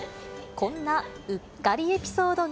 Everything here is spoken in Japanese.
こんなうっかりエピソードが。